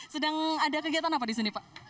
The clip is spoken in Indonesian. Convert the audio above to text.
sedang ada kegiatan apa di sini pak